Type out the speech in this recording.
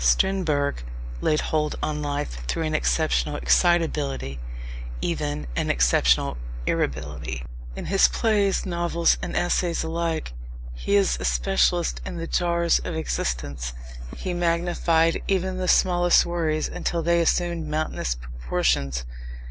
Strindberg laid hold on life through an exceptional excitability even an exceptional irritability. In his plays, novels, and essays alike, he is a specialist in the jars of existence. He magnified even the smallest worries until they assumed mountainous proportions.